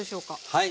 はい。